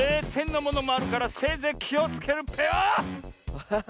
アハハ！